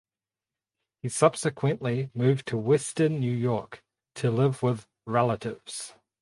He subsequently moved to Western New York to live with relatives.